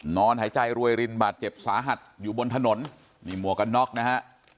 นอนหายใจรวยรินบาดเจ็บสาหัสอยู่บนถนนนี่หมวกกันน็อกนะฮะ